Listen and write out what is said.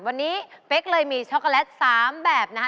วันนี้เป๊กเลยมีช็อกโกแลต๓แบบนะคะ